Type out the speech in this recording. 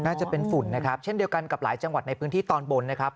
น่าจะเป็นฝุ่นนะครับเช่นเดียวกันกับหลายจังหวัดในพื้นที่ตอนบนนะครับ